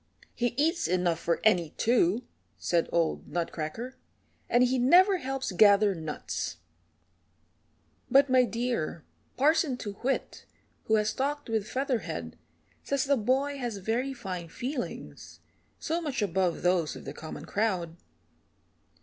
"He eats enough for any two," said old Nutcracker, "and he never helps gather nuts." "But, my dear, Parson Too Whit, who has talked with Featherhead, says the boy has very fine feelings, so much above those of the common crowd."